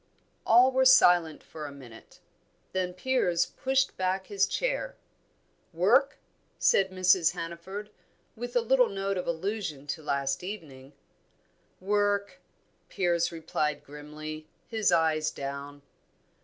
All were silent for a minute; then Piers pushed back his chair. "Work?" said Mrs. Hannaford, with a little note of allusion to last evening. "Work!" Piers replied grimly, his eyes down.